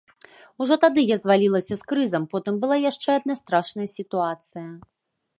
Ужо тады я звалілася з крызам, потым была яшчэ адна страшная сітуацыя.